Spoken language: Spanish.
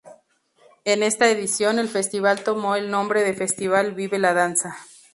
En esta edición, el Festival tomó el nombre de "Festival Vive la Danza".